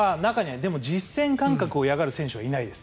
でも実戦感覚を嫌がる選手はいないです。